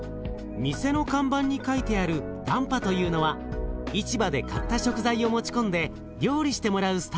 店の看板に書いてある「ダンパ」というのは市場で買った食材を持ち込んで料理してもらうスタイルのこと。